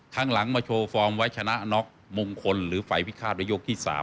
ครั้งหลังมาโชว์ฟอร์มไว้ชนะน็อกมงคลหรือฝ่ายพิฆาตในยกที่๓